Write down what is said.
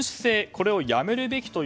これをやめるべきと。